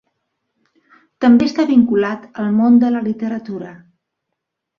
També està vinculat al món de la literatura.